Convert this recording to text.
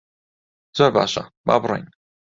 زۆر باشە، با بڕۆین.